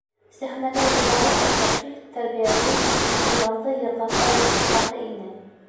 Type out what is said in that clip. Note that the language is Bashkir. Сәхнәгә юғары әхлаҡи, тәрбиәүи, миһырбанлы йырҙар алып сығаһы ине.